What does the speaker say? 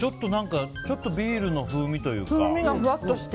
ちょっとビールの風味というか。